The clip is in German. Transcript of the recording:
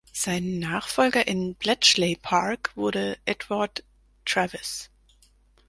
Sein Nachfolger in Bletchley Park wurde Edward Travis.